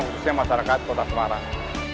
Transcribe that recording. khususnya masyarakat kota semarang